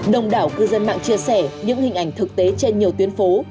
đồng đảo cư dân mạng chia sẻ những hình ảnh thực tế trên nhiều tuyến phố